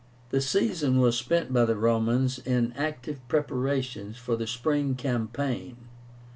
The season was spent by the Romans in active preparations for the spring campaign.